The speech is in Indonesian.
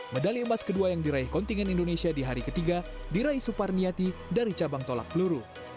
medali emas kedua yang diraih kontingen indonesia di hari ketiga diraih suparniati dari cabang tolak peluru